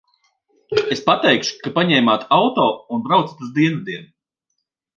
Es pateikšu, ka paņēmāt auto un braucat uz dienvidiem.